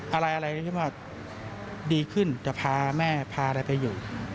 อะไรดีขึ้นจะพาแม่พาอะไรไปอยู่